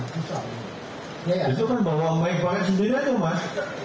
itu kan bawa om baik banget sendiri aja mas